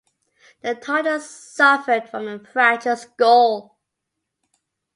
The toddler suffered from a fractured skull.